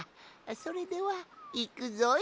それではいくぞい。